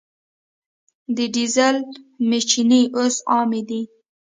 د ډیزل میچنې اوس عامې دي.